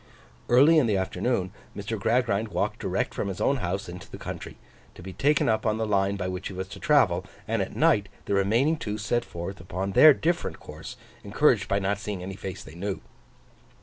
Early in the afternoon, Mr. Gradgrind walked direct from his own house into the country, to be taken up on the line by which he was to travel; and at night the remaining two set forth upon their different course, encouraged by not seeing any face they knew.